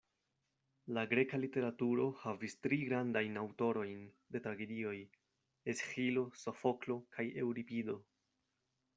La greka literaturo havis tri grandajn aŭtorojn de tragedioj: Esĥilo, Sofoklo kaj Eŭripido.